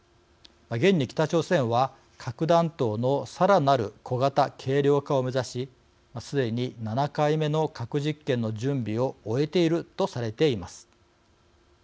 現に北朝鮮は核弾頭のさらなる小型・軽量化を目指しすでに７回目の核実験の準備を終えているとされています。